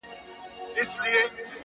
علم د فکرونو نړۍ روښانه کوي!